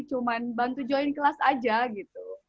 cuma bantu join kelas aja gitu